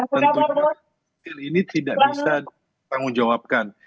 tentu saja hasil ini tidak bisa ditanggung jawabkan